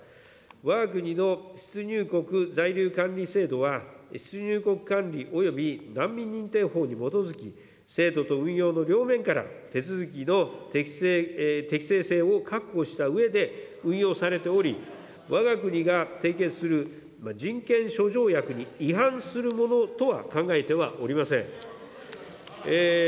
わが国の出入国在留管理制度は、出入国管理および難民認定法に基づき、制度と運用の両面から、手続きの適性性を確保したうえで運用されており、わが国がする人権諸条約に違反するものとは考えてはおりません。